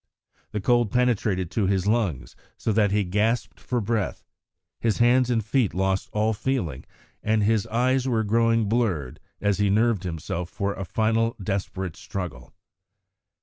The cold penetrated to his lungs, so that he gasped for breath; his hands and feet lost all feeling, and his eyes were growing blurred as he nerved himself for a final desperate struggle.